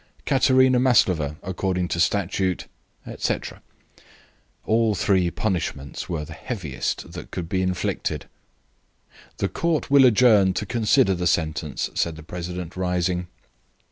Katerina Maslova according to Statute ..., etc." All three punishments were the heaviest that could be inflicted. "The Court will adjourn to consider the sentence," said the president, rising.